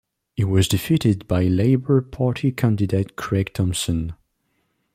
He was defeated by Labor Party candidate Craig Thomson.